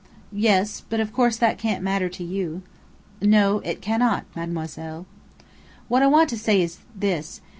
"Yes. But of course that can't matter to you." "No. It cannot, Mademoiselle." "What I want to say, is this.